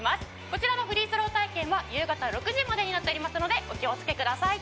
こちらのフリースロー体験は夕方６時までになっておりますのでお気をつけください。